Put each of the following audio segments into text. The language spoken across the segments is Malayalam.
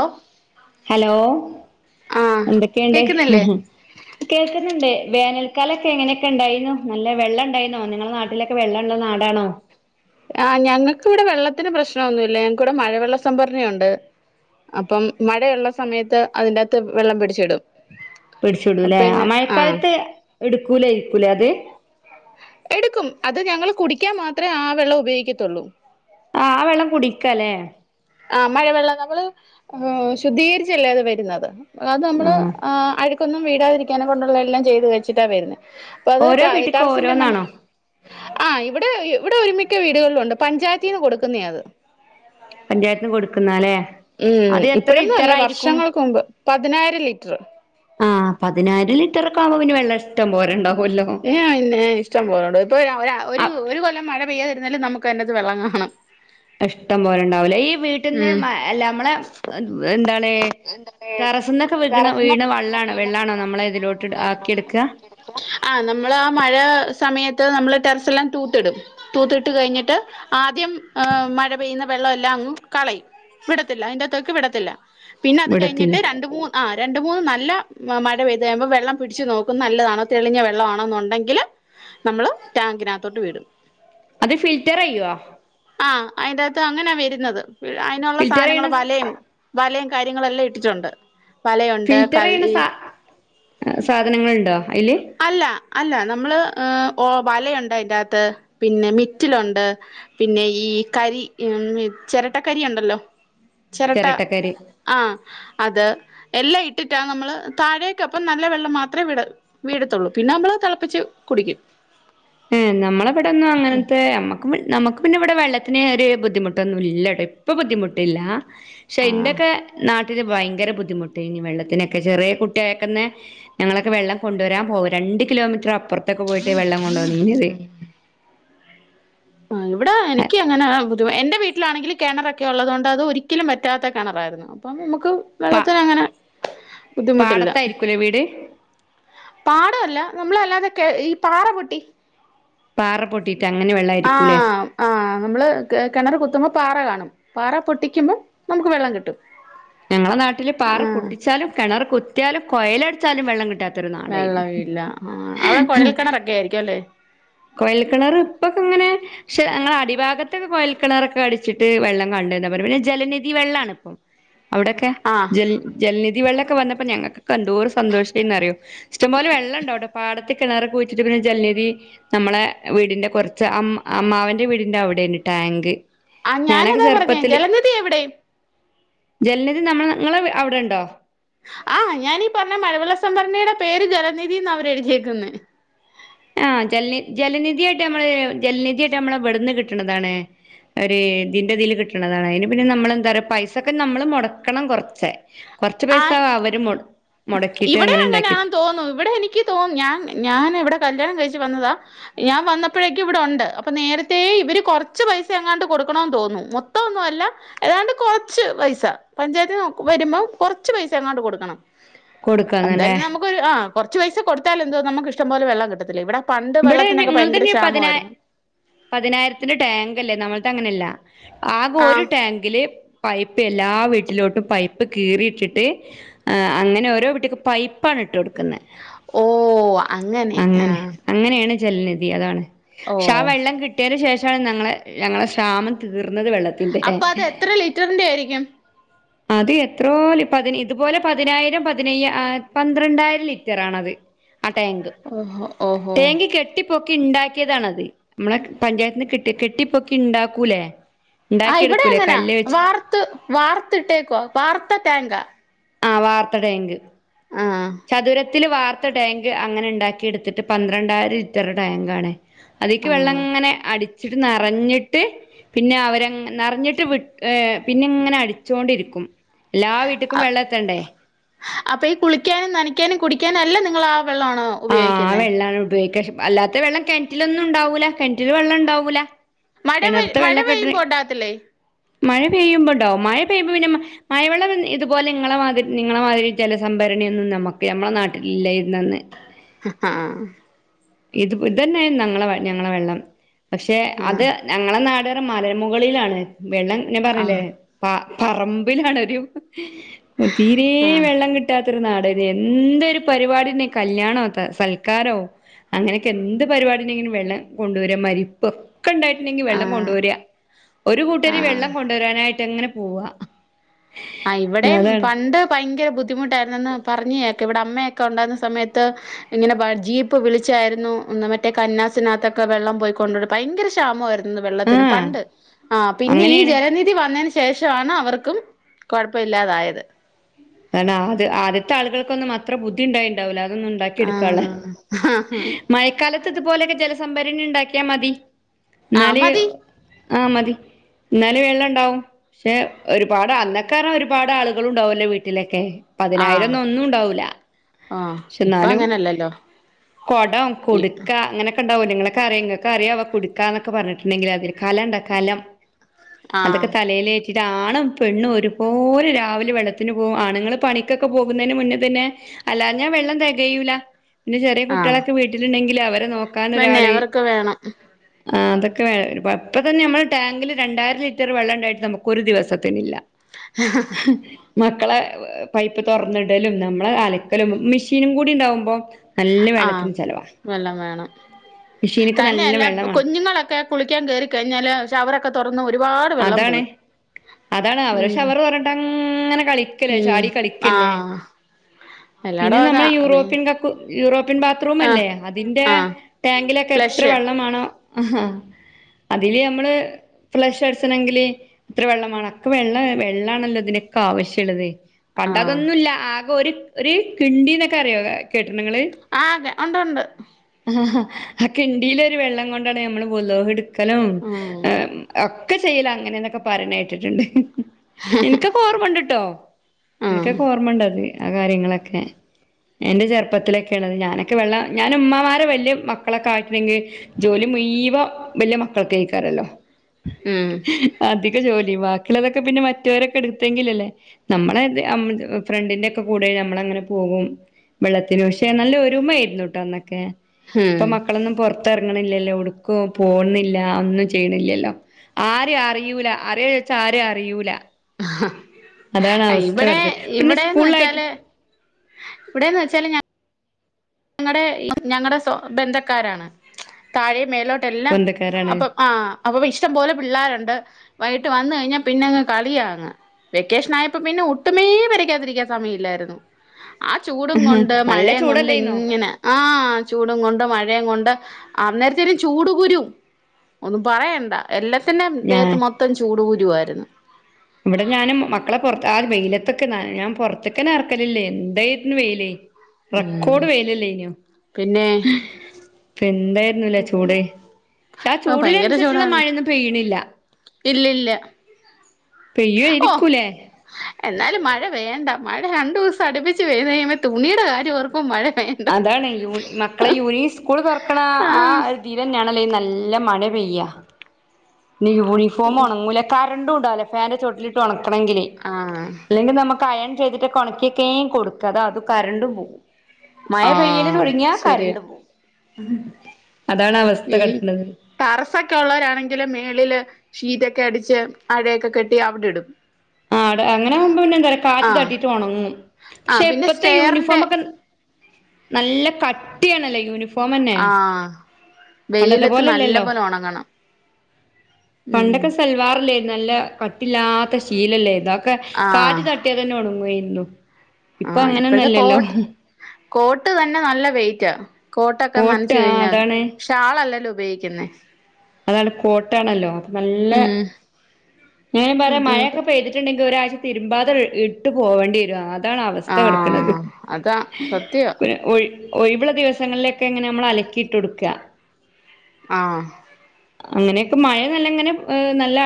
ആ [inaudible] ഹലോ എന്തൊക്കെയുണ്ട് കേക്കുന്നില്ലേ കേൾക്കുന്നുണ്ട് വേനൽ - ക്കാലൊക്കെ എങ്ങനെയൊക്കെ ഉണ്ടായിരുന്നു നല്ല വെള്ളം ഉണ്ടായിന്നോ നിങ്ങളെ നാട്ടിലൊക്കെ വെള്ള ഉള്ള നാടാണോ? ആഹ് ഞങ്ങക്ക് ഇവിടെ വെള്ളത്തിന് പ്രശ്നമൊന്നുല്ല ഞങ്ങക്കിവിടെ മഴവെള്ള സംഭരണിയുണ്ട് അപ്പം മഴയുള്ള സമയത്ത് അതിന്റകത്ത് വെള്ളം പിടിച്ചിടും. അപ്പൊ പിടിച്ചിടൂല്ലെ ആ പിന്നെ ആഹ് മഴക്കാലത്ത് എടുക്കൂല ഇരിക്കൂലേ അത് എടുക്കും അത് ഞങ്ങള് കുടിക്കാൻ മാത്രമേ ആ വെള്ളം ഉപയോഗിക്കത്തുള്ളൂ ആ ആ വെള്ളം കുടിക്കല്ലേ? ആ മഴവെള്ളം നമ്മൾ ശുദ്ധീകരിച്ചല്ലേ അത് വരുന്നത് അത് നമ്മൾ ആ ഐ അഴ ഒന്നും വീഴാതിരിക്കാന കൊണ്ടുള്ള എല്ലാം ചെയ്തു വെച്ചിട്ടാ വരുന്നത് അപ്പ അത് ഓരോ വീട്ടിക്കും ടെറസിന്റെറെ മണ്ട ഓരോന്നാണോ ആഹ് ഇവിടെ ഇവിടെ ഒരുമിക്ക വീടുകളിലുണ്ട് പഞ്ചായത്തിന്ന് കൊടുക്കുന്ന അത് പഞ്ചായത്തിന് കൊടുക്കുന്നല്ലേ ഉം അത് എത്ര ഇപ്പഴന്നും ലിറ്റർ അല്ല ആയിരിക്കും വർഷങ്ങൾക്ക് മുമ്പ് പതിനായിരം ലിറ്റർ ആ പതിനായിരം ലിറ്ററൊക്കെ ആവുമ്പോൾ പിന്ന വെള്ള പിന്നെ ഇഷ്ടം പോലണ്ട് ഇപ്പൊ ഒരു കൊല്ലം മഴ പെയ്യാതെ നമുക്ക് അതിനകത്ത് വെള്ളം കാണാം ഇഷ്ടം പോലെ ഉണ്ടാവലേ ഈ വീട്ടിന്ന് അല്ല നമ്മളെ എന്താണ് എന്താ ണ് ടെറസ്ന്നൊക്കെ [unintelligible] പറ വീണ വീണ തറസന്നൊക്കെ വരുന്ന വെള്ളാണോ വീണ് വെള്ളാണോ വെള്ള നമ്മളെ വെള്ളോ ഇതിലോട്ട് നമ്മ ഇതിലോട്ട ആക്കിയെടുക്കുക എടുക്ക ആ നമ്മൾ ആ മഴ സമയത്ത് നമ്മൾ. ടെറസെല്ലാം തൂത്തിടും തൂത്തിട്ട് കഴിഞ്ഞിട്ട് ആദ്യം ആ മഴ പെയ്യുന്ന വെള്ളം എല്ലാം അങ്ങ് കളയും വിടത്തില്ല അതിന്റെത്തേക്ക് വിടത്തില്ല പിന്നെ അത് കഴിഞ്ഞിട്ട് വിടത്തില്ല രണ്ട് മൂന്ന് ന നല്ല മഴ പെയ്ത് കഴിയുമ്പോ വെള്ളം പിടിച്ചച്ച് നോക്കും നല്ലതാണോ തെളിഞ്ഞ വെള്ളം ആണോ എന്നുണ്ടെങ്കിൽ. നമ്മള് ടാങ്കിനകത്തോട്ട് വിടും. അത് ഫിൽറ്റർ ചെയ്യോ? അതിന്റെ കത്ത് അങ്ങനെയ വരുന്നത് അതിനുള്ള ഫിൽറ്റർ സാധനങ്ങൾ ചെയ്യണ വലയും വലയും. കാര്യങ്ങളെല്ലാം ഇട്ടിട്ടുണ്ട്. വലയുണ്ട് ഫിൽറ്റർ ചെയ്യണ കള്ളി സാ സാധനങ്ങളുണ്ടോ അതില് അല്ല. അല്ല നമ്മള് ഓ വലയുണ്ട് അതിന്റകത്ത് പിന്നെ മിറ്റിലുണ്ട് പിന്നെ ഈ ഈ കരി ചെരട്ട. ചട്ട കരി ഉണ്ടല്ലോ ചിരട്ട ചിരട്ടക്കരി ആ അത്. എല്ലാം ഇട്ടിട്ടാ നമ്മള് താഴേക്കപ്പം നല്ല വെള്ളം മാത്രമേ വിട വീഴത്തുള്ളൂ പിന്നെ നമ്മള് തിളപ്പിച്ച്. കുടിക്കും. ഏ നമ്മളെ ഇവിടെന്നും അങ്ങനത്തെ നമ്മക്ക് നമ്മക്ക്. പിന്നെ ഇവി ടെ വെള്ളത്തിന് ഒരു ബുദ്ധിമുട്ടൊന്നുല്ലട്ടോ ഇപ്പൊ ബുദ്ധിമുട്ടില്ല. പക്ഷെ ആഹ് ഇന്റെക്കെ നാ ട്ടില് ഭയങ്കര ബുദ്ധിമുട്ട് ഏനി വെള്ളത്തിനൊക്കെ ചെറിയ കുട്ടിയ ആയെക്കന്ന ഞങ്ങളൊക്കെ വെള്ളം കൊണ്ടുവരാ പോവും രണ്ട്. രണ്ട് കിലോമീറ്റർ അപ്പുറത്തൊക്കെ പോയിട്ട് വെള്ളം കൊണ്ടുവന്നീനത് ആ ഇവിടെ എനിക്ക് അങ്ങനെ ബുദ്ധി എന്റെ വീട്ടിലാണെങ്കിൽ കിണറൊക്കെ ഉള്ളതുകൊണ്ട് അത് ഒരിക്കലും വറ്റാത്ത കിണറായിരുന്നു. അപ്പൊ നമക്ക് പ വെള്ളത്തിന് അങ്ങനെ ബുദ്ധിമുട്ടില്ല. പാടത്തായിരിക്കൂലേ വീട് പാടവല്ല നമ്മളല്ലാതെ ഈ പാറ പൊട്ടി പാറ പൊട്ടിട്ട് അങ്ങനെ വെള്ള ആയിരിക്കൂലേ? നമ്മൾ കിണറ് കുത്തുമ്പോ പാറ കാണും പാറ പൊട്ടിക്കുമ്പം നമുക്ക് വെള്ളം കിട്ടും. ഞങ്ങളെ നാട്ടില് പാറ ആ പൊട്ടിച്ചാലും കിണർ കുത്തിയാലും കൊയലടിച്ചാലും വെള്ളം കിട്ടാത്ത വെള്ളമില്ല ആ അവിടെ കുഴൽ കിണ റൊക്കെ ആയിരിക്കുംല്ലേ? കൊയൽക്കിണർ ഇപ്പൊക്കങ്ങനെ പക്ഷെ ഞങ്ങളുടെ അടിഭാഗത്തൊക്കെ കോയൽക്കിണറൊക്കെ അടിച്ചിട്ട് വെള്ളം ക ണ്ട് ന്നാ പറി പിന്നെ ജലനിധി വെള്ളാണ് ഇപ്പ അവിടൊ ക്കെ ആ ജല ജലനിധി വെള്ള ക്കെ വന്നപ്പോ ഞങ്ങൾകൊക്കെ എന്തോരു സന്തോഷേ ന്നറിയോ ഇഷ്ടം പോലെ വെള്ളണ്ടവിടെ പാടത്ത് കിണറക്കെ കുഴിച്ച് ട്ട് പിന്നെ ജല നിധി നമ്മളെ വീടിന്റെ കുറച്ച് അ അമ്മാവന്റെ വീടിന്റെ അവിടെണ് ടാങ്ക്. ആ ഞാനൊക്കെ ഞാനതാ പറഞ്ഞേ ചെറുപ്പത്തില് ജലനിധി എവിടെ? ജലനിധി നമ്മൾ നിങ്ങളെ അവിടെണ്ടോ? ആ ഞാനീ പറഞ്ഞ മഴവള്ള സംഭരണിയുടെ പേര് ജലനിധിന്ന അവര് എഴുതിയേക്കു ന്നെ ആ ജല ജലനിധിയായിട്ട് നമ്മള് ജലനിധിയായിട്ട് നമ്മളെ മ്പവട്ന്ന് കിട്ട്ണതാണ് ഒര് ഇതിന്റെ തീല് കിട്ട്ണതാണ് അതിന് പിന്നെ നമ്മെളന്താ റയേ പൈസൊക്കെ നമ്മള് മുടക്കണം കുറച്ചേ ആ കൊറച്ച്പൈസ അവരും മൊ ഇവിടെ അങ്ങനാന്ന് തോന്നുന്നു ഇവിടെ എനിക്ക് തോന്ന ഞാൻ ഞൻ ഇവിടെ. കല്യാണം കഴിച്ച് വന്നതാ ഞാൻ വന്നപ്പോഴേക്കും ഇവിടെണ്ട് അപ്പൊ നേരത്തെ ഇവര് കൊറച്ച് പൈസ എങ്ങാണ്ട് കൊ കൊടുക്കണോം തോന്നുന്നു മൊത്തൊന്നല്ല ഏതാണ്ട് കൊറച്ച് പൈസ പഞ്ചായത്തിന് വരുമ്പോ കൊറച്ച് പൈസ ങ്ങാണ്ട് കൊടുക്കണം. കൊടുക്കാന്നല്ലേ എന്തായാലും നമുക്ക്ഒരു ആ കൊറച്ച് പൈസ കൊടുത്താലെന്തു വാ നമുക്ക് ഇഷ്ടം പോലെ വെള്ളം കിട്ടത്തിലേ ഇവിടെ. പണ്ട് ഇവിടെ വെള്ളത്തിനൊക്കെ ഇങ്ങൾത് ഭയങ്കര ന് പതിന ക്ഷാമമായിരുന്നു പതിനായിരത്തിന്റെ ടാങ്ക് അല്ലേ നമ്മൾ ത് അങ്ങനെല്ല. ആകെ ആ ഒരു ടാങ്കില്. പൈപ്പ് എല്ലാ വീട്ടിലോട്ടും പൈപ്പ് കീറിയിട്ടിട്ട് അങ്ങനെ ഓരോ വീട്ടിക്ക് പൈപ്പാണ് ഇട്ട് കൊടു ഓ അങ്ങനെ ആ ജലനിധി അതാണ് ഓ പക്ഷെ ആ വെള്ളം കിട്ടിയേന്റെ ശേഷാണ് ഞങ്ങളെ ഞങ്ങളെ ശാമം തീർ ന്നത് വെള്ളത്തിന്റെ. അപ്പൊ അത് എത്ര ലിറ്ററിന്റെ ആയിരിക്കും അത് എത്രോ ലി പതി ഇതുപോലെ പതിനായിരം പതിനയ്യാ പന്ത്രണ്ടായിരം ലിറ്ററാ ണത്. ആ ടാങ്ക് ഓഹോ ഓഹോ ടേങ്ക് കെട്ടി പൊക്കി ഉണ്ടാക്കിയതാണത് നമ്മളെ പഞ്ചായത്തിന് കെട്ടി കെട്ടി പൊക്കി ഇണ്ടാക്കൂലേ? ആ ഇവിടെ അങ്ങനാ വാർത്ത് വാർത്ത് ട്ടേക്കോ വാർത്ത ട്ടാങ്കാ ആ വാർത്തട്ടാങ്ക് ആഹ് ചതുര ത്തില് വാർത്ത ടാങ്ക് അങ്ങനെ ണ്ടാക്കി എടുത്തിട്ട് പന്ത്രണ്ടായിരം ലിറ്ററ് ടാങ്കാണ് അതീക്ക് വെള്ളങ്ങനെ അടി ച്ച്ട്ട് നറഞ്ഞ്ട്ട് പിന്നെ അവരെങ്ങ നിറഞ്ഞിട്ട് വിട്ട് പിന്നെ ഇങ്ങനെ അടിച്ചോണ്ടിരിക്കും മ് എല്ല ക്കും ആഹ് വെള്ള ത്തണ്ടേ അപ്പൊ ഈ കുളിക്കാനും നനക്കാനും കുടിക്കാനും എല്ല നിങ്ങളാ ആ വെള്ളാണോ ആ ആ ഉപയോഗിക്കുന്നേ വെള്ളാണ് ഉപയോഗിക്ക അല്ലാത്ത വെള്ളം കിണറ്റിലൊന്നും ഉണ്ടാവൂല കിണറ്റില് വെള്ളം ഉണ്ടാവൂല മഴ കിണർത്തെ മഴ വെള്ളൊക്കെ ഇട്ട് പെയ്യുമ്പോ ഉണ്ടാകത്തില്ലേ മഴ പെയ്യുമ്പോണ്ടാവു മഴ പെയ്യുമ്പോ പിന്നെ മഴവെള്ളം ഇതുപോലെ നിങ്ങളെ മാതിരി നിങ്ങളെ മാതിരി ജലസഭ രണിയൊന്നും നമ്മക് നമ്മളെ നാട്ടില് ഇല്ലേയ്ര്ന്ന് അന്ന് ആ ഇത് ഇത് തന്നെയിരുന്നു ഞങ്ങളെ ഞങ്ങളെ വെള്ളം പക്ഷെ അത് ആഹ് ഞങ്ങള നാട് മലമുകളിലാണ് വെള്ളം ഞാൻ പറഞ്ഞ് ല്ലേ പ പറമ്പിലാണൊരു ഹ് തീരേ ആഹ് വെള്ളം കിട്ടാത്ത ന്തരു നാട ത് എന്തൊരു പരിപാഡിണ്ടെങ്കി കല്യാണോ സൽക്കാരോ അങ്ങനെയൊക്കെ എന്ത് പരിപാടെങ്കിലും വെള്ളം കൊണ്ട വരാ മരിപ്പ് ഒക്കെ ഉണ്ടായിട്ടുണ്ടെങ്കിൽ ആഹ് വെള്ളം കൊണ്ടുവര ആഹ് ഒരു കൂട്ടര് വെള്ളം ആഹ് കൊണ്ടുവരാനായിട്ട് എങ്ങനെ പോവാ ആഹ് വ്ടെ അതാണ് പണ്ട് ഭയങ്കര ബുദ്ധി ബുദ്ധിമുട്ടായിരുന്നെന്ന് പറഞ്ഞേക്ക ഇവിടെ അമ്മയൊക്കെ ഉണ്ടായിരുന്ന സമയത്ത് ഇങ്ങനെ ജീപ്പ് വിളിച്ചായിരുന്നു ഒന്ന് മറ്റേ കന്നാസിനാതൊക്കെ വെള്ളം പോയി കൊണ്ട ഭയങ്കര ക്ഷാമായിരുന്നു വെള്ളത്തിന് ആഹ് പണ്ട് ആ പിന്നെ ഈ അങ്ങനെയാണ് ജലനിധി വന്നതിന് ശേഷമാണ് അവർക്കും കൊഴപ്പില്ലാതായത് അാ അത് ആദ്യത്തെ ആളുകൾക്കൊന്നും അത്ര ബുദ്ധി ഉണ്ടായിണ്ടാവില്ല ഉണ്ടാക്കി എടുക്കള്ള ആഹ് ആഹ് മഴക്കാലത്തിത് പോലെ ക്കെ ജല സംഭരണി ഉണ്ടാക്കിയാ മതി ആ എന്നാല് മതി ആഹ മതി ന്നാലും വെള്ളം ണ്ടാവും പക്ഷെ ഒരുപാട് അന്നൊക്കെ ഒരുപാട് ആളുകളും ഉണ്ടാവല്ലേ വീട്ടിലൊക്കെ ആഹ് പതിനായിരൊന്നും ഒന്നും ഉണ്ടാവൂല ആഹ് പക്ഷെ ഇപ്പൊ ന്നാലും അങ്ങനല്ലല്ലോ കൊടം കുടുക്ക അങ്ങനെയൊക്കെ ഇങ്ങക്കൊക്കെ ക്കെ ഇങ്ങളൊക്കെ അറിയാവോ കുട്‌ക്കന്നൊക്കെ പറഞ്ഞിട്ണ്ടെങ്കിൽ അതിൽ കലംണ്ട് കലം അതൊക്കെ ആഹ് തലയിലേറ്റിട്ട ആണും പെണ്ണും ഒരുപോലെ രാവിലെ വെള്ളത്തിന് ആണുങ്ങള് പണിക്കൊക്കെ പോകുന്നതിന് മുന്നേ തന്നെ അല്ലാഞ്ഞഞാ വെള്ളം തികയൂല പിന്നെ ചെറിയ ആഹ് കുട്ടികളൊക്കെ വീട്ടിലുണ്ടെങ്കിൽ അവരെ നോക്കാൻ പിന്നെ ഒരാള് അവർക്ക് വേണം ആ അതൊക്കെ അപ്പം തന്നെ നമ്മൾ ടാങ്കിൽ രണ്ടായിരം ലിറ്റർ വെള്ളം ഉണ്ടായിട്ട് നമുക്കൊരു ദിവസത്തിനില്ല ഹ് ഹാ മക്കളെ പൈപ്പ് തുറന്നിടലും നമ്മളെ അലക്കലും മിഷീനും കൂടി ഉണ്ടാവുമ്പോ നല്ല ആഹ് വെള്ളത്തിന് ചെലവാ വെള്ളം വേണം മെഷീനക്ക് നല്ല തന്നെയല്ല വെള്ളമാണ് കുഞ്ഞുങ്ങളൊക്കെ കുളിക്കാൻ കേറി കഴിഞ്ഞാല് ഷവറൊക്കെ തുറന്ന് ഒരുപാട് വെള്ളം അതാണ് പോവും അതാണ് ഉം അവരഷവർ തൊറന്നിട്ടങ്ങ കളിക്കലേ ഉം ചാടി കളിക്കല്ലേ ആഹ് പിന്നെ എല്ലാടോം അതാ നമ്മെ പി യൂറോപ്യൻ കക്കൂ യൂറോപ്യൻ ആഹ് ബാത്റൂമല്ലേ അതിന്റെ ആഹ് ടാങ്കിലൊക്കെ എത്ര ഫ്ലഷ് വെള്ളമ്മാണോ ആഹ അതില് നമ്മള് ഫ്ലഷ അടി ണെങ്കില് ഇത്ര വെള്ളമ്മാണം ഒക്കെ വെള്ള വെള്ളാണല്ലോ ഇതിനൊക്കെ ആവശ്യംള്ളത് ആഹ് പണ്ടതൊന്നും ഇല്ല ആകെ ഒരു ഒരു കിണ്ടി എന്നൊക്കെ അറിയോ കേട്ട ങ്ങള് ആഹ് ഉണ്ട് ഉണ്ട് ഹ ഹ ആ കിണ്ടിയിലൊ ഒരു വെള്ളം കൊണ്ടാണ് നമ്മള് വുളൂ എടുക്കലും ഉം ഒക്കെ ചെയ്യിലങ്ങനൊക്കെ പറീണെ കേട്ടിട്ട്ണ്ട് എനിക്കൊക്കെ ഓർമ്മുണ്ട്ട്ടോ ഉം എനിക്കൊക്കെ ഓർമ്മുണ്ടത് ആ കാര്യങ്ങളൊക്കെ എന്റെ ചെറുപ്പത്തിലൊക്കെ ഉള്ളത് ഞാനൊക്കെ വെള്ളം ഞാനൻ ഉമ്മ്മാരെ വല്ിയ മക്കളൊക്കെ ആയിട്ടണെങ്കിൽ ജോലി മുയ്‌വം വലിയ മക്കൾ കഴിക്കാറല്ലോ ഉം അധിക ജോലി മാ മതൊക്കെ പിന്നെ മറ്റവരൊക്കെ എടുത്തെങ്കിലല്ലേ നമ്മളെ ഫ്രണ്ടിന്റെറെ ഒക്കെ കൂടെ നമ്മളങ്ങനെ പോ പോും വെള്ളത്തിനന് പക്ഷെ നല്ല ഒരുമ ആയിരുന്നുട്ടോ അന്നൊക്കെ ഉം ഇപ്പൊ മക്കളൊന്നും പുൊറത്ത് ഇറങ്ങണില്ലല്ലോ ഉടുക്കും പോണില്ല ഒന്നും ചെയ്യണില്ലല്ലോ ആര അറിയിൂല അറിയച്ചാ ആരും അറിയിൂല ഇവിടെ കെടക്ക പിന്നെ ഇവിടെന്ന് സ്കൂളിലായിട്ട് വച്ചാല് ഇവിടെന്ന് വെച്ചാല ഞാ ഞങ്ങളുടെ ഞങ്ങളുടെ സ്വ ബന്ധക്കാരാണ് താഴെ മേലോട്ട എല്ലാം ബന്ധക്കാരാണ് അപ്പൊ ആ് അപ്പൊ ഇഷ്ടം പോലെ പിള്ളോരുണ്ട് വൈകിട്ട് വന്ന് കഴിഞ്ഞാ പിന്നെങ് കളിയാ വെക്കേഷൻ ആയപ്പോ പിന്നെ ഒട്ടുമേ വരയ്ക്കാതിരിക്കാൻ സമയം ഇല്ലായിരുന്നു ആ ചൂടും കൊണ്ട് നല്ല മഴയും കൊണ്ട് ചൂടല്ലേന്നോ ഇങ്ങനെ ആ ചൂടും കൊണ്ട് മഴ ഴയും കൊണ്ട് അന്നേരത്തേനും ചൂട് കുരും ഒന്നും പറയണ്ട എല്ലത്തിൻൻ്റെൻ്റെം ഞാൻ ദേഹത്ത് മൊത്തം ചൂട് കുരുവായിരുന്നു ഇവിടെ ഞാനും മക്കളെ പുറത്ത് ആ വെയിലത്തക്കെ ഞാൻ പുറത്തക്കനെ ഇറക്കലല്ലേ ന്തായിരുന്നു വെയിലേ ഉം റെക്കോർഡ് വെയിലലേനോ പിന്നെ അഹ പിന്നെ ന്നലെ ഉം ചൂട് ക്ഷെ ആ ചൂടിനനുസരിച്ചുള്ള മഴയൊന്നും പെയ്യി ണില്ല. ഇല്ലല്ല ഓ പെയ്യുമായിരിക്കൂലേ എന്നാലും മഴ പെയ്യാൻണ്ട മഴ രണ്ടുസം അടുപ്പിച്ച് പെയ്ത് ക്കഴിയുമ്പം തുണിയുടെ കാര്യംഓർക്കുമ്പഴ് അതാണ് യൂ മക്കളെ യൂണി സ്കൂൾ തുറക്കണ ആഹ് ആതീലെന്നെ ണല്ലേൽ നല്ല മഴ പെയ്യ നി യൂണഫോം ഉണങ്ങൂല കരണ്ടുണ്ടാവുല്ല ഫൻന്റെ ചോട്ടിൽട്ട് ഉണക് ണെങ്കില് ആഹ് ല്ലെങ്കിൽ നമുക്ക് അയൺ ചെയ്തിട്ട് കൊണക്കെക്കേ ഉം കൊടുക്ക താ അത് കറണ്ടും പോകും. മഴ പെയ്യല് ആഹ് തുടങ്ങിയാ ശരിയാ കരണ്ട് പോവും അതാണ് അവസ്ഥ ഈ കടക്ണത്. ടെറസൊക്കെ ഉള്ളവരാണെങ്കില് മേളില് ശീറ്റോക്കെ അടിച്ച് അഴക്കെ കെട്ടി അവിടെ ഇടും. ആ ആട അങ്ങനാവുമ്പം പിന്നെ എന്താ റിയോ കാറ്റ് ആഹ് തട്ടിട്ട് ഉണങ്ങും. ക്ഷെ ആഹ് പിന്നെ ഇപ്പത്തെ സ്റ്റെയറിന്റെ യൂണിഫോമക്കെൻത് നല്ല കട്ടിയാണല്ലേ യൂണിഫോം തന്നെ ആ പണ്ടത്തെ വെയിലത്ത് നല്ല പോലെല്ലല്ലോ പോലെ ഉണങ്ങണം. പണ്ടൊക്കെ സൽവാറല്ലേന്നോ നല്ല കട്ടില്ലാത്ത ശീലല്ലേന്നോ താ കാറ്റ് ആഹ് തട്ടിയ തന്നെ ഒണങ്ങുവായിരുന്നു. പ്പൊ ആഹ് ഇപ്പഴത്തെ അങ്ങനെന്നുംല്ലല്ലോ കോട്ട് കോട്ട് തന്നെ നല്ല വെയിറ്റാ കോട്ടൊക്കെ കോട്ട് നൻച്ച് ആ കഴിഞ്ഞാല് അതാണ് ക്ഷെ ആളല്ലല്ലോ ഉപയോഗിക്കുന്നെ അതാണ് കോട്ടയാണല്ലോ അപ്പൊ നല്ല ഉം ഞാനൻ പറയാ മഴയൊക്കെ ബുദ്ധിമുട്ടാ പെയ്തിട്ടുണ്ടെങ്കിൽ ഒരാ് തിരുമ്പാതെ ഇട്ട് പോവണ്ടിരും ആ താണ് അവസ്ഥ കിടക്കുന്നത് ആഹ് അതാ സത്യം പിന്നെഒഴി ഒയിവ്ള്ള ദിവസങ്ങളിൽലെക്കെ ങ്ങനെ മ്മള് അലക്കിട്ട കൊടുക്കാ ആ അങ്ങനെയൊക്കെ മഴ നല്ലങ്ങനെ അ നല്ല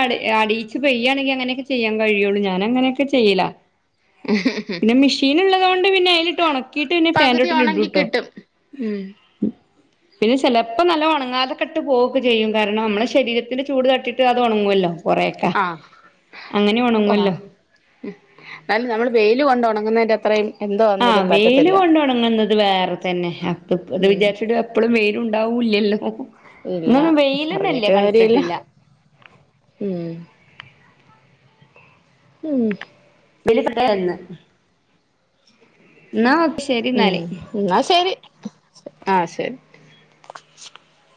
അടിയിച്ച് പെയ്യയാണെങ്കിൽ അങ്ങനെയൊക്കെ ചെയ്യാൻ കഴിയുള്ളു ഞാനൻങ്ങനെ ക്ക് ചെയ്ല പിന്നെ മിഷീന്ള്ളതോണ്ട് പിന്നെ അയില് ട്ട് ഉണക്കിട്ട് പിന്നെ ഫാൻൊട്ടില് ഇടുട്ടോ ഉംം [unintelligible] പിന്നെ ചിലപ്പോ നല്ല ഉണങ്ങാതെ കെട്ട് പോവുക്കെ ചെയ്യും കാരണം മ്മളെ ശരീരത്തിന്റെ ചൂട് ട്ടിറ്റ് അത് ഉണങ്ങുവല്ലോ കൊറെക്കാ ആഹ് അങ്ങനെ ഓ ഉണങ്ങല്ലോ യില് കൊണ്ട ഉണങ്ങുന്നതിന്റെ അത്രയും എന്തോ ആ വന്നേലും വെയില് പറ്റത്തില്ല കൊണ്ട് ഉണങ്ങുന്നത് വേറെ തന്നെ അപ്പ ത് ഉം വിചാരിച്ചിട്ട് എപ്പ ളുംവെയിലും ഉണ്ടാവൂ എല്ലാ ഹൊ ഹൊ ഇല്ല ന്നൊന്നും വെയിലന്നെല്ല്യ പറഞ്ഞിട്ട് കാര്യല്ല കണ്ടിട്ടില്ല. ഉം ഹും വിലപെട്ടെന്ന് ഉം എന്നാല് ന്നാ ശെരി, ആ ശെരി. [inaudible]